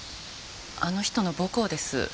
あの人の母校です。